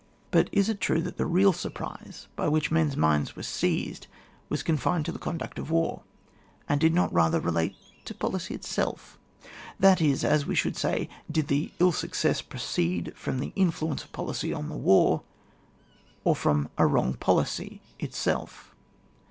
But is it true that the real surprise by which men's minds were seized, was con fined to the conduct of war, and did not rather relate to policy itself? That is, as we should say : did the ilL success proceed from the influence of policy on the war, or from a wrong policy itself?